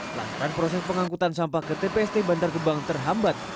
pelantaran proses pengangkutan sampah ke tpst bantar gebang terhambat